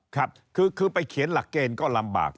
ครับคือไปเขียนหลักเกณฑ์ก็ลำบาก